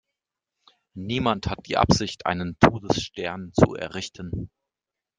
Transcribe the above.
Niemand hat die Absicht, einen Todesstern zu errichten!